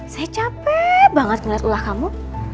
saya capek banget ngelihat ulah kamu